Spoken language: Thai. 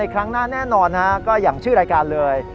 ก็อย่างชื่อรายการเลย